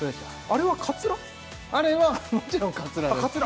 あれはもちろんカツラです